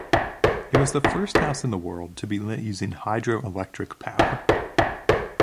It was the first house in the world to be lit using hydroelectric power.